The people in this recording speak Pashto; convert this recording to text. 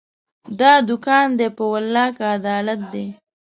دا دوکان دی، په والله که عدالت دی